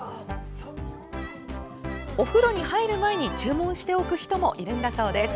お風呂に入る前に注文しておく人もいるんだそうです。